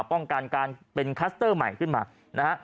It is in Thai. ป้องกันการเป็นคลัสเตอร์ใหม่ขึ้นมานะฮะ